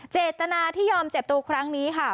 เจตนาที่ยอมเจ็บตัวครั้งนี้ค่ะ